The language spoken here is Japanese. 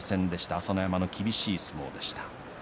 朝乃山の厳しい相撲でした。